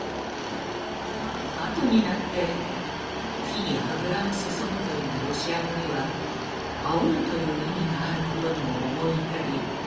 あとになって「火に油を注ぐ」というロシア語には「煽る」という意味があることにも思い至り